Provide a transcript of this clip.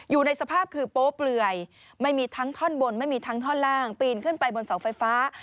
อยู่ในสภาพคือโป๊เปลื่อยไม่มีทั้งท่อนบนไม่มีทั้งท่อนล่างปีนขึ้นไปบนเสาไฟฟ้า